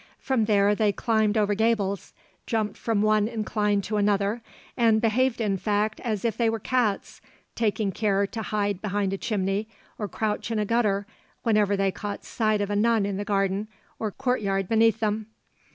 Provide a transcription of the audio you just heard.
From there they climbed over gables, jumped from one incline to another, and behaved in fact as if they were cats, taking care to hide behind a chimney or crouch in a gutter whenever they caught sight of a nun in the garden or courtyard beneath them.